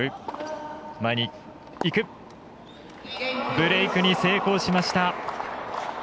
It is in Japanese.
ブレークに成功しました。